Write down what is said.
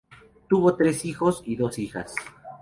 Tuvo tres hijos y dos hijas.